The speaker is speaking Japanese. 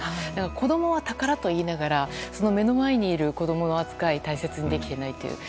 子供は宝と言いながら目の前にいる子供の扱い大切にできていないという。